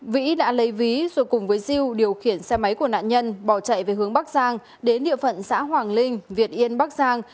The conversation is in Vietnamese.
vĩ đã lấy ví rồi cùng với diêu điều khiển xe máy của nạn nhân bỏ chạy về hướng bắc giang đến địa phận xã hoàng linh việt yên bắc giang